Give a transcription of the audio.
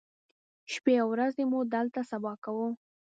شپې او ورځې مو دلته سبا کوو.